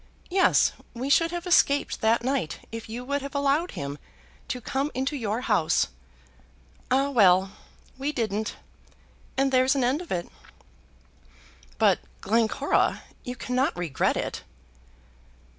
Yes; we should have escaped that night if you would have allowed him to come into your house. Ah, well! we didn't, and there's an end of it." "But Glencora, you cannot regret it."